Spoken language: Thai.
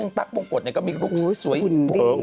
ยังตั๊กปวงกฏก็มีรูปสวยสุด